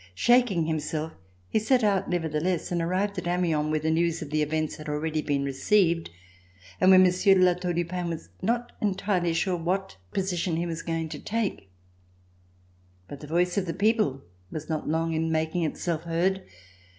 Shaking himself, he set out nevertheless and arrived RECOLLECTIONS OF THE REVOLUTION at Amiens, where the news of the events had already been received, and where Monsieur de La Tour du Pin was not entirely sure what position he was going to take. But the voice of the people was not long in making Itself heard.